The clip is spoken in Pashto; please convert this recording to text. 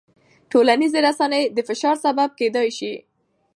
ټولنیزې رسنۍ د فشار سبب کېدای شي.